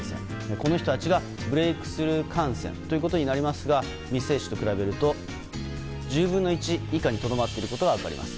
この人たちがブレークスルー感染となりますが未接種と比べると１０分の１以下にとどまっていることが分かります。